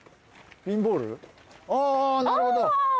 ああなるほど。